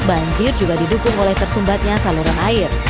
banjir juga didukung oleh tersumbatnya saluran air